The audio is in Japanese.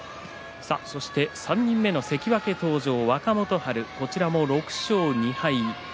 ３人目の関脇登場、若元春こちらも６勝２敗です。